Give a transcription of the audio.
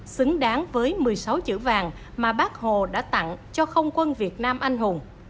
xứng đáng với một mươi sáu chữ vàng mà bác hồ đã tặng cho không quân việt nam anh hùng